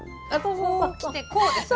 こうきてこうですね。